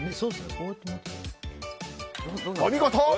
お見事！